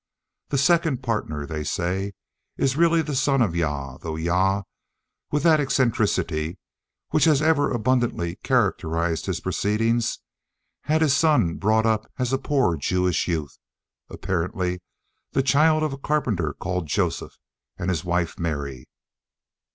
The second partner, they say, is really the son of Jah; though Jah, with that eccentricity which has ever abundantly characterised his proceedings, had this son brought up as a poor Jewish youth, apparently the child of a carpenter called Joseph, and his wife Mary.